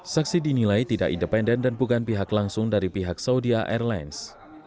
saksi dinilai tidak independen dan bukan pihak langsung dari pihak saudi airlines